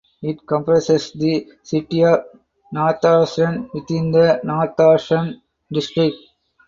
It comprises the city of Nordhausen within the Nordhausen district.